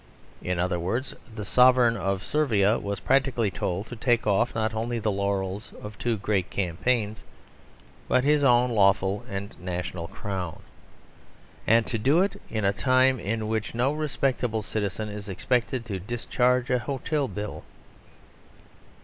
In other words, the sovereign of Servia was practically told to take off not only the laurels of two great campaigns but his own lawful and national crown, and to do it in a time in which no respectable citizen is expected to discharge an hotel bill.